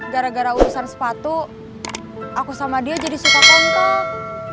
gara gara urusan sepatu aku sama dia jadi suka kontak